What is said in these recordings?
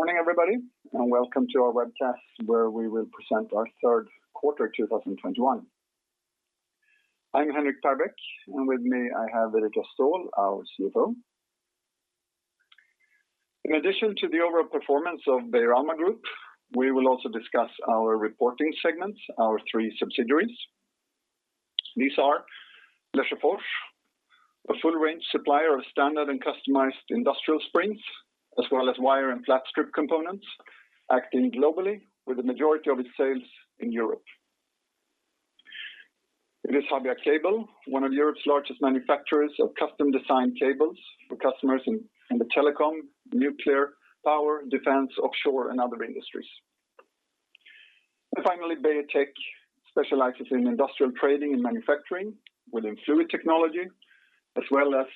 Good morning, everybody, and welcome to our webcast where we will present our third quarter 2021. I'm Henrik Perbeck, and with me, I have Erika Ståhl, our CFO. In addition to the overall performance of Beijer Alma Group, we will also discuss our reporting segments, our three subsidiaries. These are Lesjöfors, a full range supplier of standard and customized industrial springs, as well as wire and flat strip components, acting globally with the majority of its sales in Europe. It is Habia Cable, one of Europe's largest manufacturers of custom designed cables for customers in the telecom, nuclear power, defense, offshore, and other industries. Finally, Beijer Tech specializes in industrial trading and manufacturing within Fluid Technology, as well as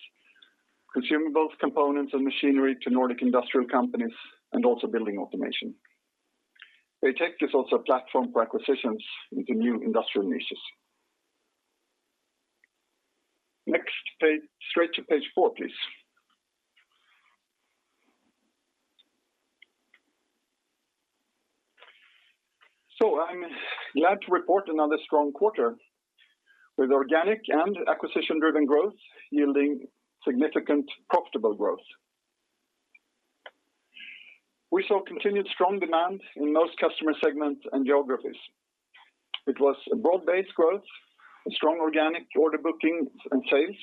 consumables, components, and machinery to Nordic industrial companies and also building automation. Beijer Tech is also a platform for acquisitions into new industrial niches. Next page. Straight to page four, please. I'm glad to report another strong quarter with organic and acquisition-driven growth yielding significant profitable growth. We saw continued strong demand in most customer segments and geographies. It was a broad-based growth, a strong organic order bookings and sales,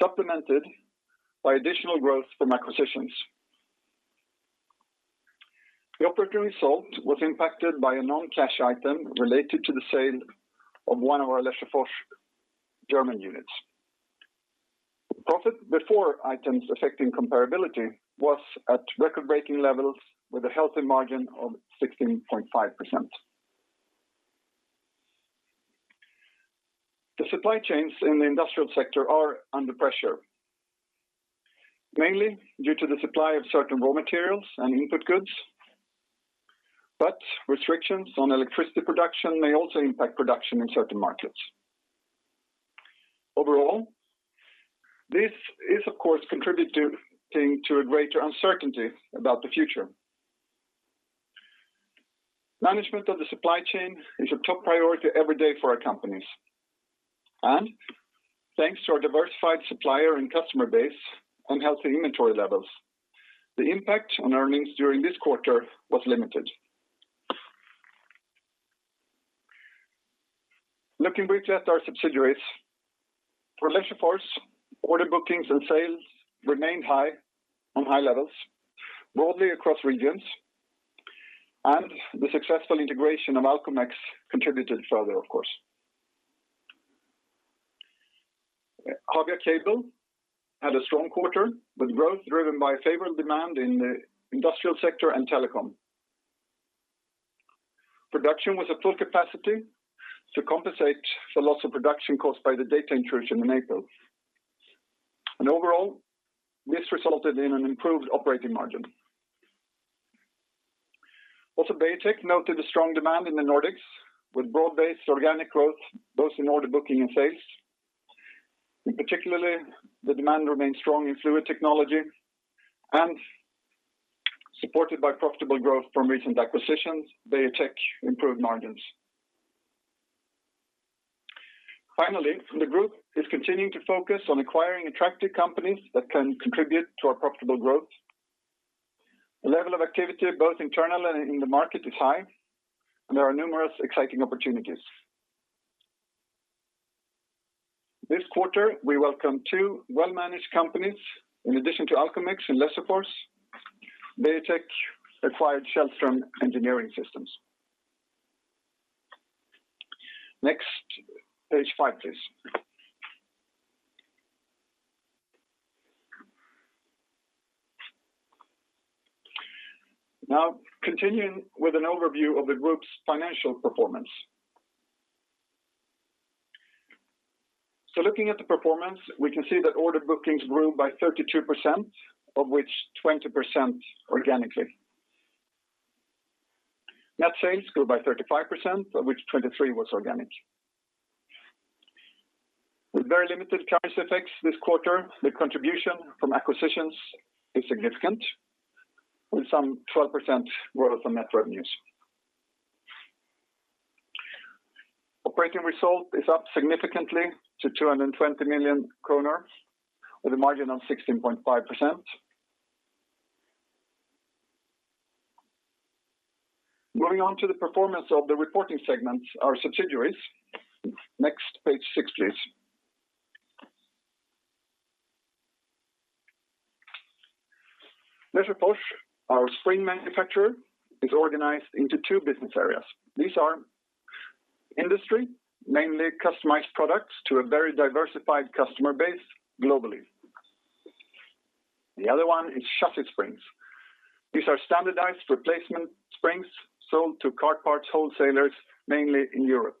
supplemented by additional growth from acquisitions. The operating result was impacted by a non-cash item related to the sale of one of our Lesjöfors German units. Profit before items affecting comparability was at record-breaking levels with a healthy margin of 16.5%. The supply chains in the industrial sector are under pressure, mainly due to the supply of certain raw materials and input goods, but restrictions on electricity production may also impact production in certain markets. Overall, this is of course contributing to a greater uncertainty about the future. Management of the supply chain is a top priority every day for our companies. Thanks to our diversified supplier and customer base and healthy inventory levels, the impact on earnings during this quarter was limited. Looking briefly at our subsidiaries. For Lesjöfors, order bookings and sales remained high on high levels broadly across regions, and the successful integration of Alcomex contributed further, of course. Habia Cable had a strong quarter with growth driven by favored demand in the industrial sector and telecom. Production was at full capacity to compensate for loss of production caused by the data intrusion in April. Overall, this resulted in an improved operating margin. Also Beijer Tech noted a strong demand in the Nordics with broad-based organic growth, both in order booking and sales. In particular, the demand remained strong in Fluid Technology and supported by profitable growth from recent acquisitions, Beijer Tech improved margins. Finally, the group is continuing to focus on acquiring attractive companies that can contribute to our profitable growth. The level of activity both internal and in the market is high, and there are numerous exciting opportunities. This quarter, we welcome two well-managed companies. In addition to Alcomex and Lesjöfors, Beijer Tech acquired Källström Engineering Systems. Next, page five, please. Now, continuing with an overview of the group's financial performance. Looking at the performance, we can see that order bookings grew by 32%, of which 20% organically. Net sales grew by 35%, of which 23% was organic. With very limited currency effects this quarter, the contribution from acquisitions is significant, with some 12% growth on net revenues. Operating result is up significantly to 220 million kronor, with a margin of 16.5%. Moving on to the performance of the reporting segments, our subsidiaries. Next, page six, please. Lesjöfors, our spring manufacturer, is organized into two business areas. These are Industrial Springs, mainly customized products to a very diversified customer base globally. The other one is Chassis Springs. These are standardized replacement springs sold to car parts wholesalers, mainly in Europe.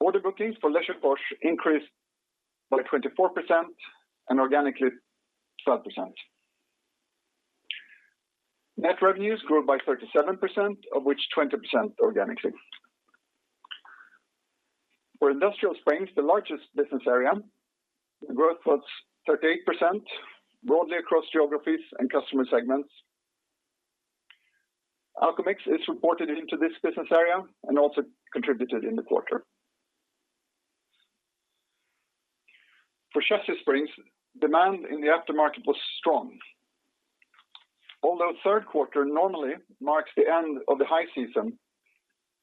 Order bookings for Lesjöfors increased by 24% and organically, 12%. Net revenues grew by 37%, of which 20% organically. For Industrial Springs, the largest business area, the growth was 38%, broadly across geographies and customer segments. Alcomex is reported into this business area and also contributed in the quarter. For Chassis Springs, demand in the aftermarket was strong. Although third quarter normally marks the end of the high season,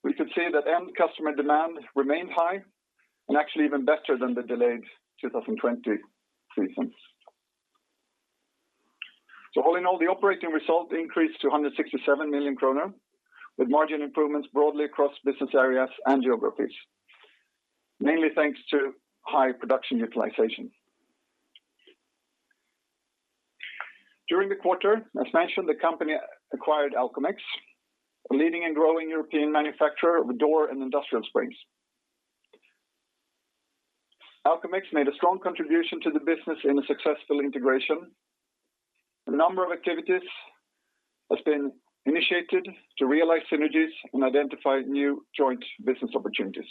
we could see that end customer demand remained high and actually even better than the delayed 2020 seasons. All in all, the operating result increased to 167 million kronor, with margin improvements broadly across business areas and geographies, mainly thanks to high production utilization. During the quarter, as mentioned, the company acquired Alcomex, a leading and growing European manufacturer of door and industrial springs. Alcomex made a strong contribution to the business in a successful integration. A number of activities has been initiated to realize synergies and identify new joint business opportunities.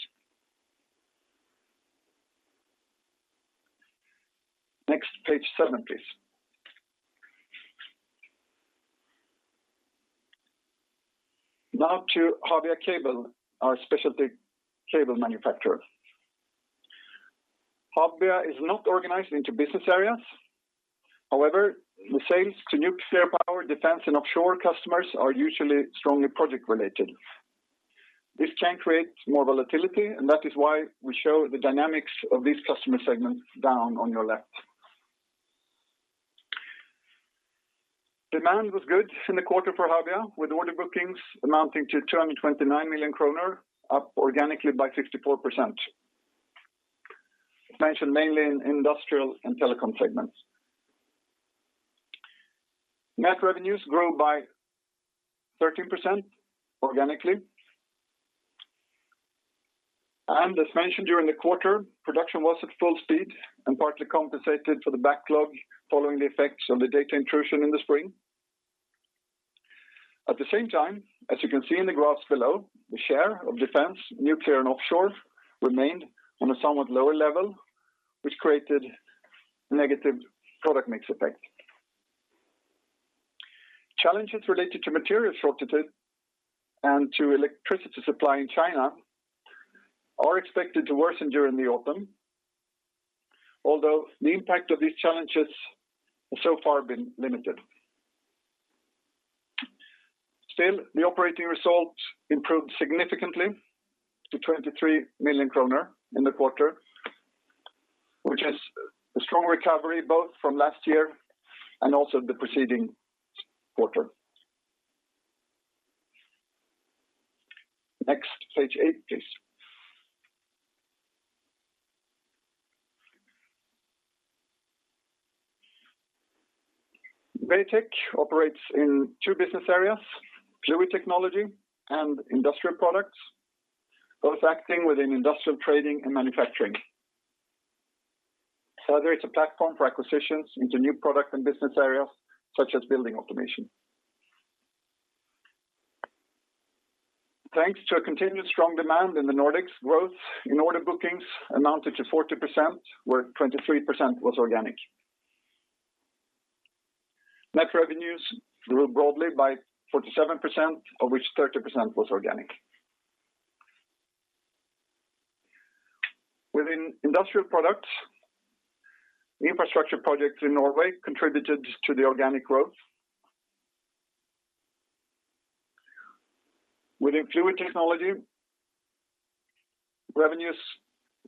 Next, page seven, please. Now to Habia Cable, our specialty cable manufacturer. Habia is not organized into business areas. However, the sales to nuclear power, defense, and offshore customers are usually strongly project related. This can create more volatility, and that is why we show the dynamics of these customer segments down on your left. Demand was good in the quarter for Habia, with order bookings amounting to 229 million kronor, up organically by 64%. As mentioned, mainly in industrial and telecom segments. Net revenues grew by 13% organically. As mentioned during the quarter, production was at full speed and partly compensated for the backlog following the effects of the data intrusion in the spring. At the same time, as you can see in the graphs below, the share of defense, nuclear, and offshore remained on a somewhat lower level, which created a negative product mix effect. Challenges related to material shortages and to electricity supply in China are expected to worsen during the autumn, although the impact of these challenges has so far been limited. Still, the operating results improved significantly to 23 million kronor in the quarter, which is a strong recovery both from last year and also the preceding quarter. Next, page eight, please. Beijer Tech operates in two business areas, Fluid Technology and Industrial Products, both acting within industrial trading and manufacturing. Further, it's a platform for acquisitions into new product and business areas such as building automation. Thanks to a continued strong demand in the Nordics, growth in order bookings amounted to 40%, where 23% was organic. Net revenues grew broadly by 47%, of which 30% was organic. Within Industrial Products, infrastructure projects in Norway contributed to the organic growth. Within Fluid Technology, revenues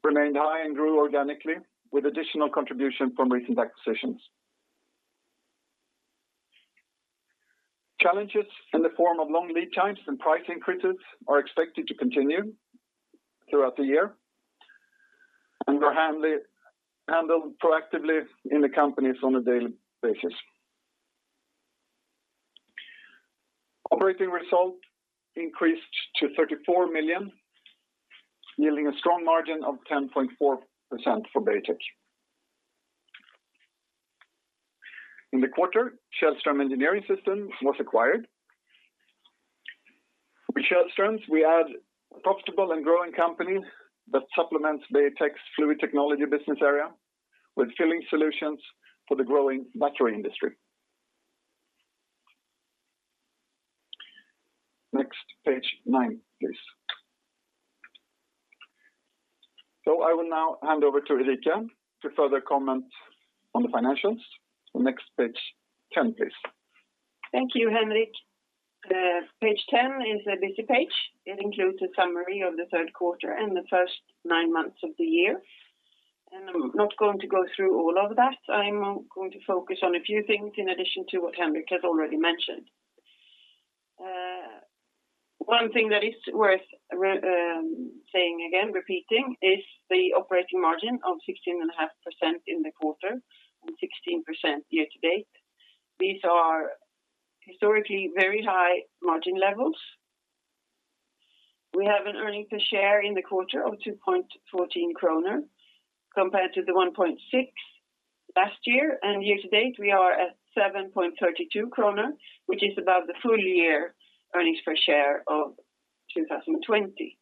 remained high and grew organically, with additional contribution from recent acquisitions. Challenges in the form of long lead times and price increases are expected to continue throughout the year and are handled proactively in the companies on a daily basis. Operating result increased to 34 million, yielding a strong margin of 10.4% for Beijer Tech. In the quarter, Källström Engineering Systems was acquired. With Källström, we add profitable and growing company that supplements Beijer Tech's Fluid Technology business area with filling solutions for the growing battery industry. Next, page nine, please. I will now hand over to Erika Ståhl to further comment on the financials. Next, page 10, please. Thank you, Henrik. Page 10 is a busy page. It includes a summary of the third quarter and the first nine months of the year. I'm not going to go through all of that. I'm going to focus on a few things in addition to what Henrik has already mentioned. One thing that is worth saying again, repeating, is the operating margin of 16.5% in the quarter and 16% year to date. These are historically very high margin levels. We have an earnings per share in the quarter of 2.14 kronor compared to the 1.6 last year and year to date, we are at 7.32 kronor, which is about the full year earnings per share of 2020.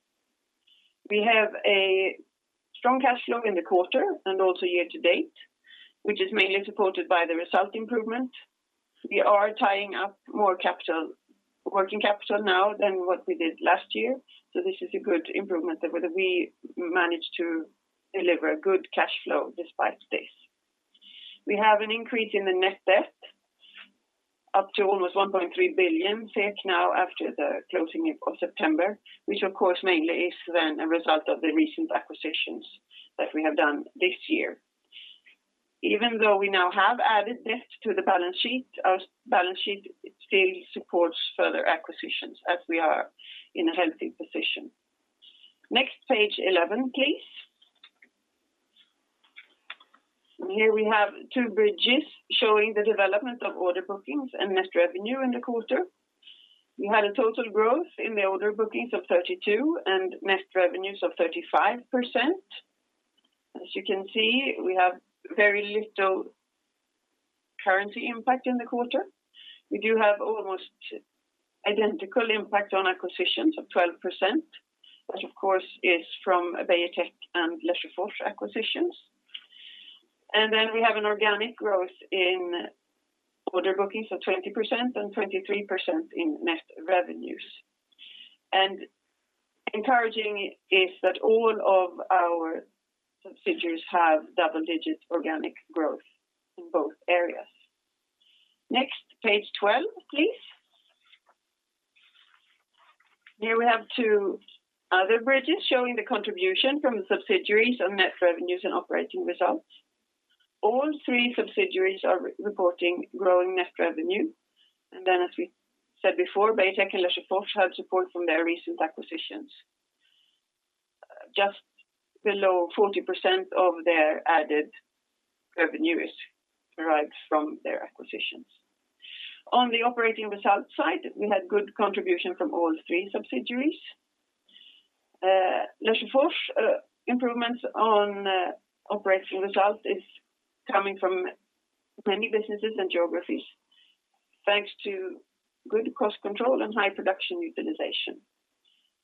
We have a strong cash flow in the quarter and also year to date, which is mainly supported by the result improvement. We are tying up more capital, working capital now than what we did last year. This is a good improvement that we manage to deliver good cash flow despite this. We have an increase in the net debt up to almost 1.3 billion now after the closing of September, which of course, mainly is then a result of the recent acquisitions that we have done this year. Even though we now have added debt to the balance sheet, our balance sheet still supports further acquisitions as we are in a healthy position. Next, page 11, please. Here we have two bridges showing the development of order bookings and net revenue in the quarter. We had a total growth in the order bookings of 32% and net revenues of 35%. As you can see, we have very little currency impact in the quarter. We do have almost identical impact on acquisitions of 12%. That, of course, is from Beijer Tech and Lesjöfors acquisitions. We have an organic growth in order bookings of 20% and 23% in net revenues. Encouraging is that all of our subsidiaries have double-digit organic growth in both areas. Next, page 12, please. Here we have two other bridges showing the contribution from the subsidiaries on net revenues and operating results. All three subsidiaries are reporting growing net revenue. As we said before, Beijer Tech and Lesjöfors have support from their recent acquisitions. Just below 40% of their added revenue is derived from their acquisitions. On the operating results side, we had good contribution from all three subsidiaries. Lesjöfors improvements on operating results is coming from many businesses and geographies, thanks to good cost control and high production utilization.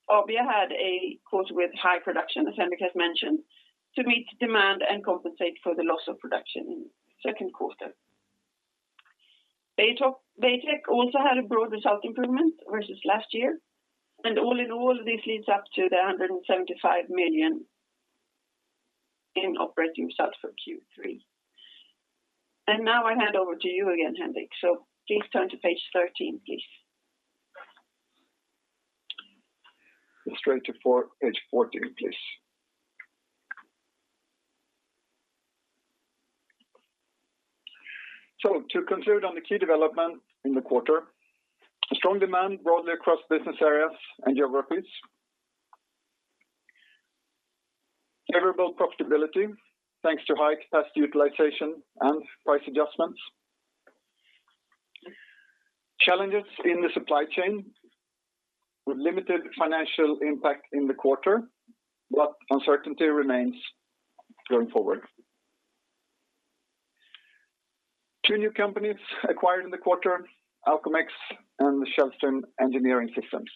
Habia had a quarter with high production, as Henrik has mentioned, to meet demand and compensate for the loss of production in second quarter. Beijer Tech also had a broad result improvement versus last year. All in all, this leads up to 175 million in operating results for Q3. Now I hand over to you again, Henrik. Please turn to page 13, please. Straight to page 14, please. To conclude on the key development in the quarter, a strong demand broadly across business areas and geographies. Favorable profitability, thanks to high capacity utilization and price adjustments. Challenges in the supply chain with limited financial impact in the quarter, but uncertainty remains going forward. Two new companies acquired in the quarter, Alcomex and Källström Engineering Systems.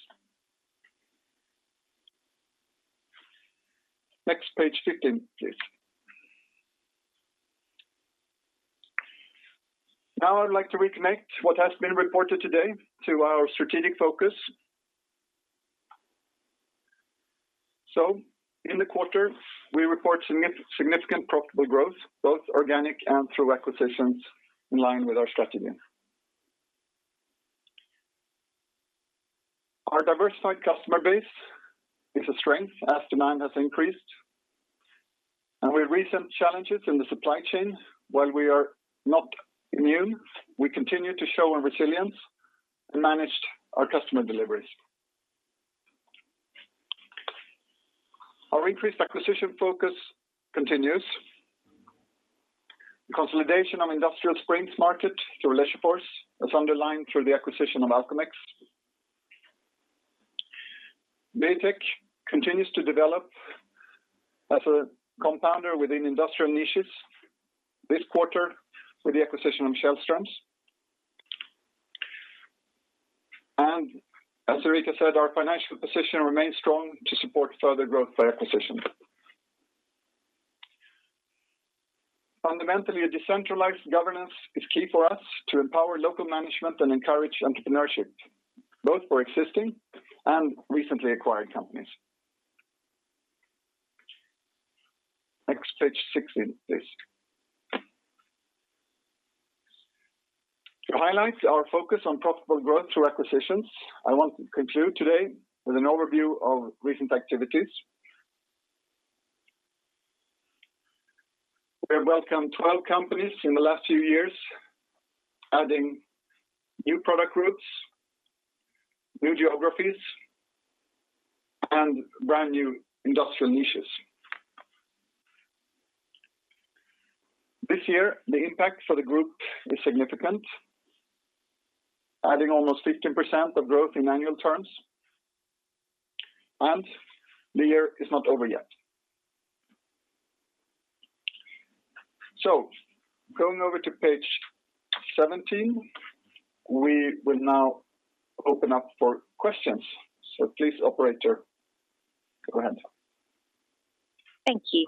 Next, page fifteen, please. Now, I'd like to reconnect what has been reported today to our strategic focus. In the quarter, we report significant profitable growth, both organic and through acquisitions in line with our strategy. Our diversified customer base is a strength as demand has increased. With recent challenges in the supply chain, while we are not immune, we continue to show our resilience and managed our customer deliveries. Our increased acquisition focus continues. The consolidation on industrial springs market through Lesjöfors is underlined through the acquisition of Alcomex. Beijer Tech continues to develop as a compounder within industrial niches this quarter with the acquisition of Källström. As Erika said, our financial position remains strong to support further growth by acquisition. Fundamentally, a decentralized governance is key for us to empower local management and encourage entrepreneurship, both for existing and recently acquired companies. Next, page 16, please. To highlight our focus on profitable growth through acquisitions, I want to conclude today with an overview of recent activities. We have welcomed 12 companies in the last few years, adding new product groups, new geographies, and brand new industrial niches. This year, the impact for the group is significant, adding almost 15% of growth in annual terms. The year is not over yet. Going over to page 17, we will now open up for questions. Please operator, go ahead. Thank you.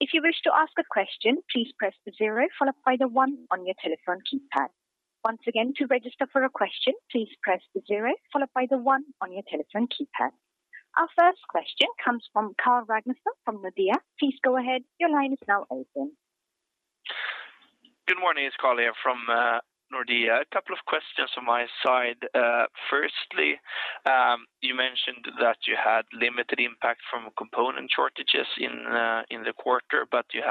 If you wish to ask a question please press the zero followed by the one on your telephone keypad. Once again, to register for a question, please press the zero followed by the one on your telephone keypad. Our first question comes from Carl Ragnerstam from Nordea. Please go ahead. Your line is now open. Good morning, it's Carl here from Nordea. A couple of questions from my side. Firstly, you mentioned that you had limited impact from component shortages in the quarter, but you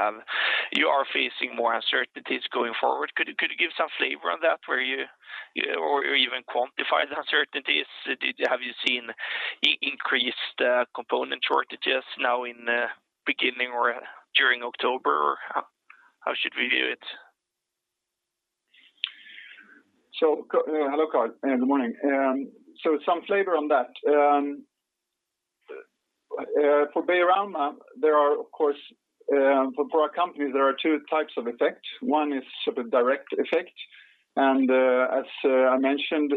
are facing more uncertainties going forward. Could you give some flavor on that or even quantify the uncertainties? Have you seen increased component shortages now in the beginning or during October? How should we view it? Hello, Carl, and good morning. Some flavor on that. For Beijer Alma, there are, of course, for our company, there are two types of effect. One is sort of direct effect, and, as I mentioned,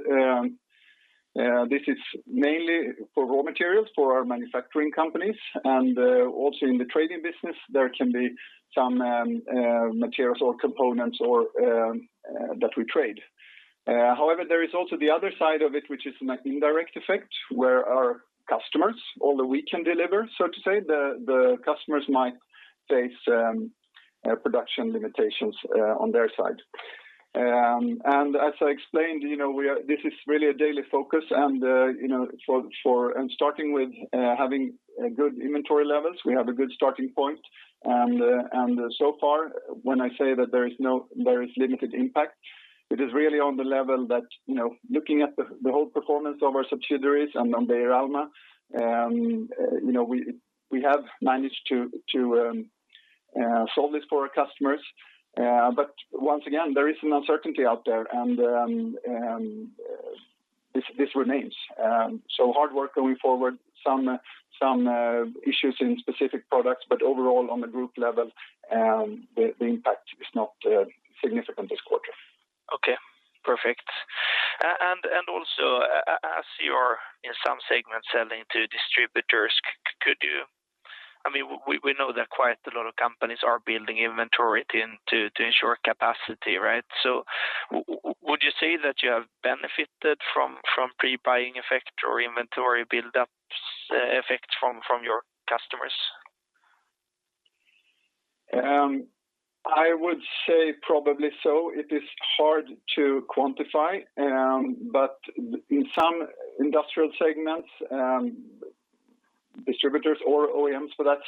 this is mainly for raw materials for our manufacturing companies. Also in the trading business, there can be some materials or components or that we trade. However, there is also the other side of it, which is an indirect effect where our customers, all that we can deliver, so to say, the customers might face production limitations on their side. As I explained, you know, this is really a daily focus and, you know, for starting with having good inventory levels, we have a good starting point. So far when I say that there is limited impact, it is really on the level that, you know, looking at the whole performance of our subsidiaries and on Beijer Alma, you know, we have managed to solve this for our customers. Once again, there is an uncertainty out there, and this remains so hard work going forward. Some issues in specific products, but overall on the group level, the impact is not significant this quarter. Okay, perfect. Also, as you're in some segments selling to distributors, could you, I mean, we know that quite a lot of companies are building inventory to ensure capacity, right? Would you say that you have benefited from pre-buying effect or inventory buildups effect from your customers? I would say probably so. It is hard to quantify, but in some industrial segments, distributors or OEMs for that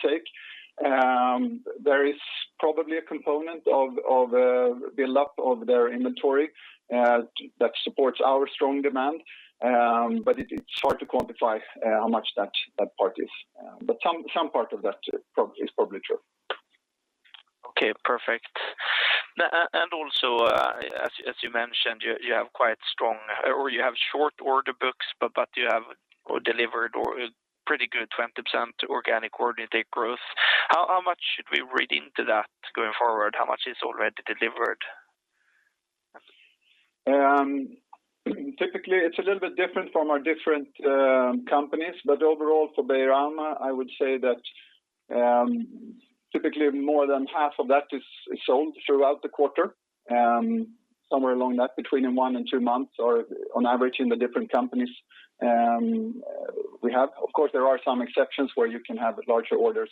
matter, there is probably a component of build up of their inventory that supports our strong demand. It's hard to quantify how much that part is. Some part of that is probably true. Okay, perfect. As you mentioned, you have short order books, but you have delivered a pretty good 20% organic order intake growth. How much should we read into that going forward? How much is already delivered? Typically it's a little bit different from our different companies. Overall for Beijer Alma, I would say that typically more than half of that is sold throughout the quarter. Somewhere along that, between one and two months or on average in the different companies, we have. Of course, there are some exceptions where you can have larger orders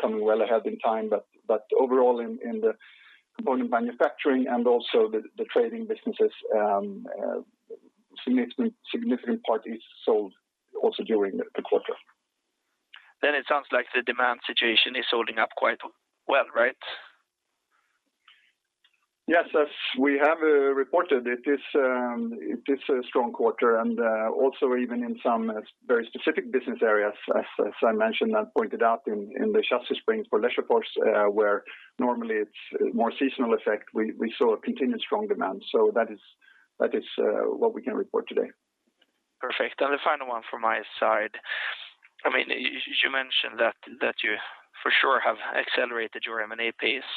coming well ahead in time. Overall in the component manufacturing and also the trading businesses, significant part is sold also during the quarter. It sounds like the demand situation is holding up quite well, right? Yes. As we have reported, it is a strong quarter. Also even in some very specific business areas as I mentioned and pointed out in the Chassis Springs for Lesjöfors, where normally it's more seasonal effect, we saw a continued strong demand. That is what we can report today. Perfect. The final one from my side. I mean, you mentioned that you for sure have accelerated your M&A pace.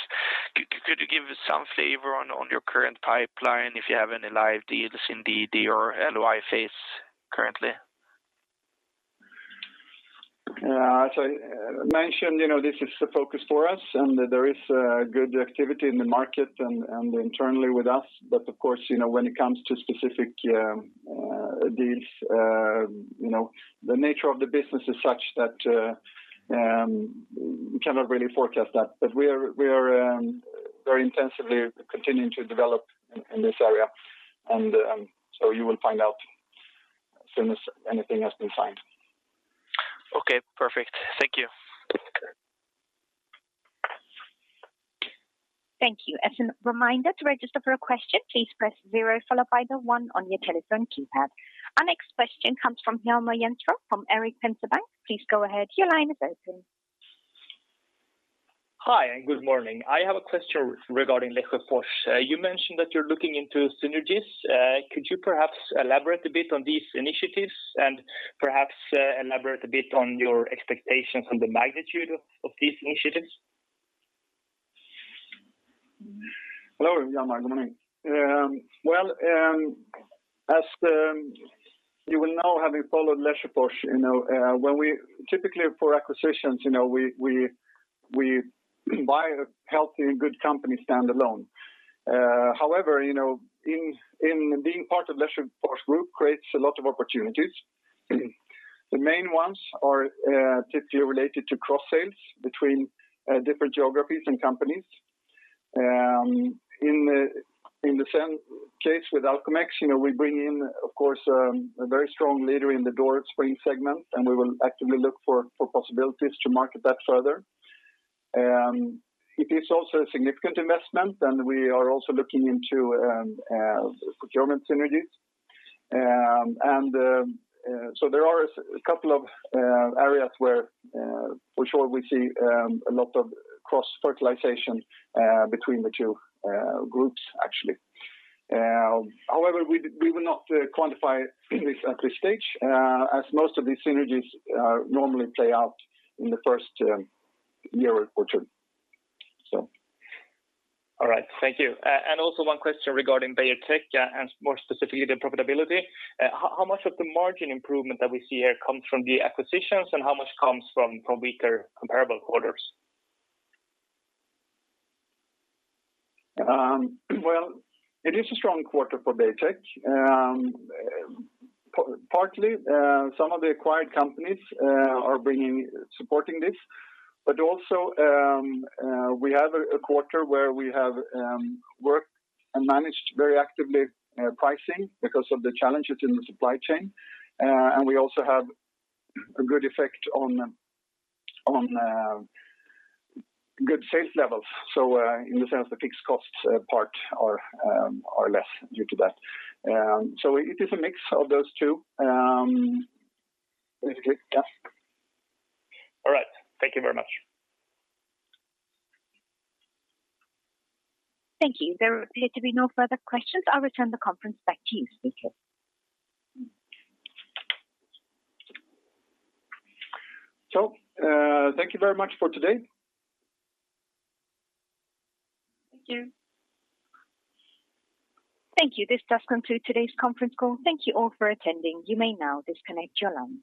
Could you give some flavor on your current pipeline, if you have any live deals in DD or LOI phase currently? As I mentioned, you know, this is a focus for us, and there is good activity in the market and internally with us. Of course, you know, when it comes to specific deals, you know, the nature of the business is such that we cannot really forecast that. We are very intensively continuing to develop in this area. You will find out as soon as anything has been signed. Okay, perfect. Thank you. Thank you. As a reminder to register for a question, please press zero followed by the one on your telephone keypad. Our next question comes from Hjalmar Jernström from Erik Penser Bank. Please go ahead. Your line is open. Hi, and good morning. I have a question regarding Lesjöfors. You mentioned that you're looking into synergies. Could you perhaps elaborate a bit on these initiatives and perhaps elaborate a bit on your expectations on the magnitude of these initiatives? Hello, Hjalmar. Good morning. As you will know, having followed Lesjöfors, you know, when we typically for acquisitions, you know, we buy a healthy and good company standalone. However, you know, in being part of Lesjöfors Group creates a lot of opportunities. The main ones are typically related to cross sales between different geographies and companies. In the same case with Alcomex, you know, we bring in, of course, a very strong leader in the door spring segment, and we will actively look for possibilities to market that further. It is also a significant investment, and we are also looking into procurement synergies. There are a couple of areas where for sure we see a lot of cross-fertilization between the two groups actually. However, we will not quantify this at this stage, as most of these synergies normally play out in the first year reported. All right. Thank you. Also one question regarding Beijer Tech, and more specifically the profitability. How much of the margin improvement that we see here comes from the acquisitions, and how much comes from weaker comparable quarters? Well, it is a strong quarter for Beijer Tech. Partly, some of the acquired companies are bringing supporting this, but also we have a quarter where we have worked and managed very actively pricing because of the challenges in the supply chain. We also have a good effect on good sales levels. In the sense the fixed costs part are less due to that. It is a mix of those two basically. Yeah. All right. Thank you very much. Thank you. There appear to be no further questions. I'll return the conference back to you, speaker. Thank you very much for today. Thank you. This does conclude today's conference call. Thank you all for attending. You may now disconnect your line.